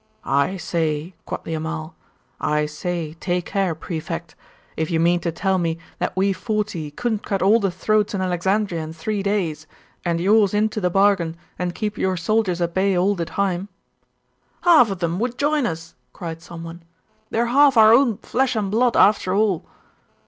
'I say,' quoth the Amal 'I say, take care, Prefect. If you mean to tell me that we forty couldn't cut all the throats in Alexandria in three days, and yours into the bargain, and keep your soldiers at bay all the time ' 'Half of them would join us!' cried some one. 'They are half our own flesh and blood after all!